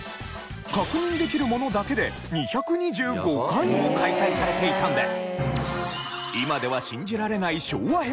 確認できるものだけで２２５回も開催されていたんです。